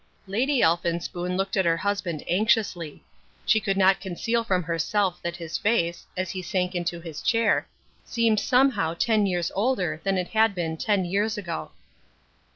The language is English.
Lady Elphinspoon looked at her husband anxiously. She could not conceal from herself that his face, as he sank into his chair, seemed somehow ten years older than it had been ten years ago.